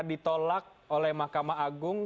ditolak oleh mahkamah agung